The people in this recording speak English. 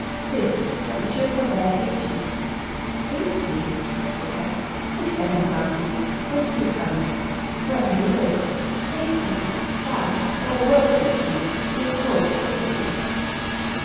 "This: that Monsieur Colbert hates you." "Hates me?" cried Fouquet. "Good heavens! marquise, whence do you come? where can you live? Hates me! why all the world hates me, he, of course, as others do."